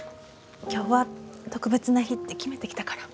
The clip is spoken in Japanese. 今日は特別な日って決めて来たから。